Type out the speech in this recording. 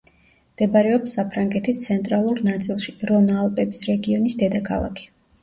მდებარეობს საფრანგეთის ცენტრალურ ნაწილში, რონა-ალპების რეგიონის დედაქალაქი.